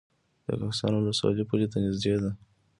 د کهسان ولسوالۍ پولې ته نږدې ده